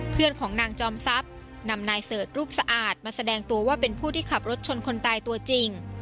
เพื่อนของนางจอมทรัพย์นำนายเสิร์ชรูปสะอาดมาแสดงตัวว่าเป็นผู้ที่ขับรถชนคนตายตัวจริง